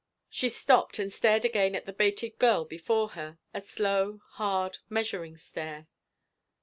She stopped, and stared again at the baited girl before her, a slow, hard, measuring stare.